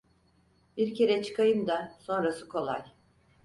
Bir kere çıkayım da, sonrası kolay.